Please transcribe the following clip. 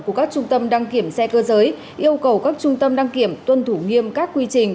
của các trung tâm đăng kiểm xe cơ giới yêu cầu các trung tâm đăng kiểm tuân thủ nghiêm các quy trình